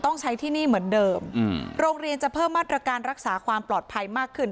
ต้องใช้ที่นี่เหมือนเดิมโรงเรียนจะเพิ่มมาตรการรักษาความปลอดภัยมากขึ้น